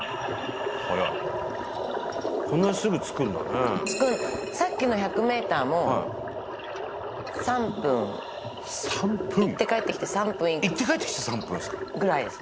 こんなすぐ着くんだねさっきの１００ｍも３分いって帰ってきて３分いって帰ってきて３分ですか？ぐらいです